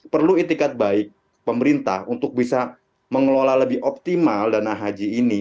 perlu itikat baik pemerintah untuk bisa mengelola lebih optimal dana haji ini